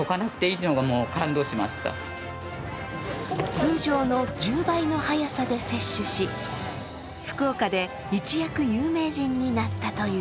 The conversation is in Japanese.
通常の１０倍の速さで接種し福岡で一躍有名人になったという。